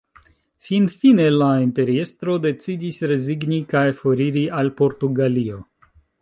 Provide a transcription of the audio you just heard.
Finfine la imperiestro decidis rezigni kaj foriri al Portugalio.